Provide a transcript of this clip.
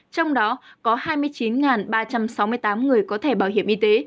trong đó có hai mươi chín ba trăm sáu mươi tám người có thẻ bảo hiểm y tế